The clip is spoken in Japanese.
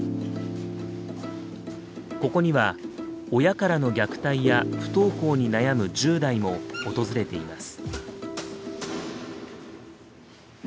ここには親からの虐待や不登校に悩む１０代も訪れています。